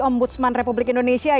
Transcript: om budsman republik indonesia